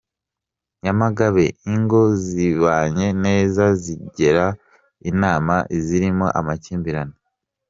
Nyamagabe Ingo zibanye neza zigira inama izirimo amakimbirane